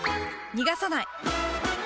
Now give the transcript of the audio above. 逃がさない！